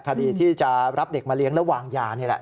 คดีที่จะรับเด็กมาเลี้ยงและวางยานี่แหละ